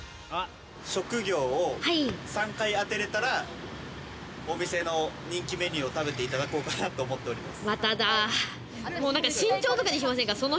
職業を３回当てれたら、お店の人気メニューを食べていただこうかなと思っております。